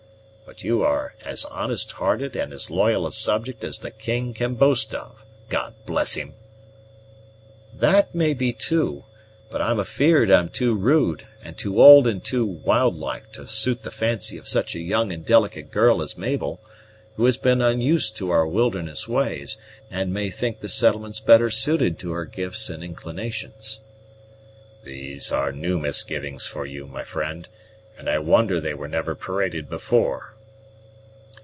But you are as honest hearted and as loyal a subject as the king can boast of God bless him!" "That may be too; but I'm afeared I'm too rude and too old and too wild like to suit the fancy of such a young and delicate girl as Mabel, who has been unused to our wilderness ways, and may think the settlements better suited to her gifts and inclinations." "These are new misgivings for you, my friend; and I wonder they were never paraded before."